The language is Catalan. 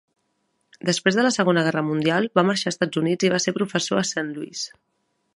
Després de la Segona Guerra Mundial, va marxar a Estats Units i va ser professor a Saint Louis.